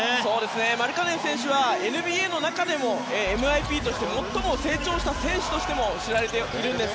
マルカネン選手はＮＢＡの中でもＭＩＰとして最も成長した選手としても知られているんです。